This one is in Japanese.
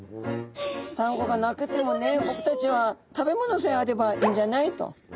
「サンゴがなくてもね僕たちは食べ物さえあればいいんじゃない？」と。